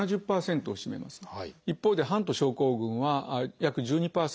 一方でハント症候群は約１２％。